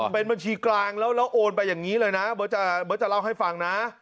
เป็นบัญชีกลางแล้วโอนไปอย่างนี้เลยนะเบิร์ตจะเล่าให้ฟังนะ